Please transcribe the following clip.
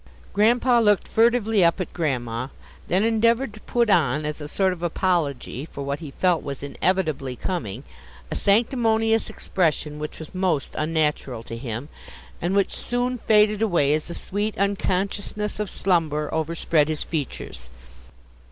Grandpa looked furtively up at Grandma, then endeavored to put on as a sort of apology for what he felt was inevitably coming, a sanctimonious expression which was most unnatural to him, and which soon faded away as the sweet unconsciousness of slumber overspread his features.